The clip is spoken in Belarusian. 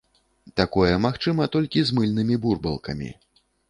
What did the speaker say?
Такое магчыма толькі з мыльнымі бурбалкамі.